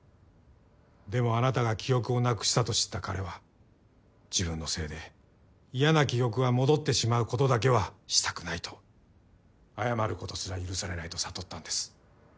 でもあなたが記憶をなくしたと知った彼は自分のせいで嫌な記憶が戻ってしまうことだけはしたくないと謝ることすら許されないと悟ったんです。